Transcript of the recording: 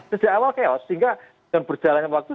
sejak awal chaos sehingga dengan berjalannya waktu